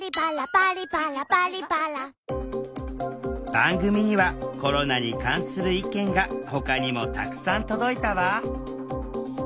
番組にはコロナに関する意見がほかにもたくさん届いたわ。